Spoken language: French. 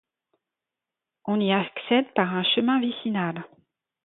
On y accède par un Chemin vicinal.